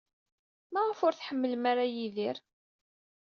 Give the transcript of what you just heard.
Maɣef ur tḥemmlem ara Yidir?